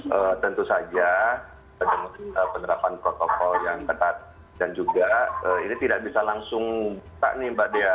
jadi tentu saja penerapan protokol yang ketat dan juga ini tidak bisa langsung buka nih mbak dea